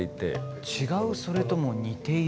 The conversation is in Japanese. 「違うそれとも似ている？」。